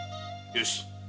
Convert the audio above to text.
よし。